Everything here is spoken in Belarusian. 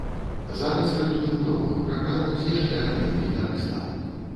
Зараз рыхтуем новую праграму з яшчэ адным гітарыстам.